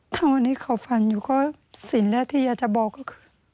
ถ้าวันนี้เขาฟังอยู่ก็สิ่งแรกที่อยากจะบอกก็คือ